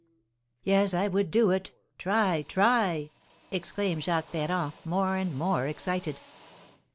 "Yes, I would do it! Try! Try!" exclaimed Jacques Ferrand, more and more excited.